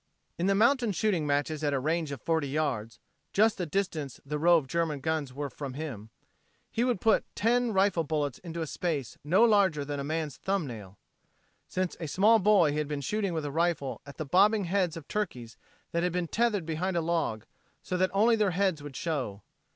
In mountain shooting matches at a range of forty yards just the distance the row of German guns were from him he would put ten rifle bullets into a space no larger than a man's thumb nail. Since a small boy he had been shooting with a rifle at the bobbing heads of turkeys that had been tethered behind a log so that only their heads would show.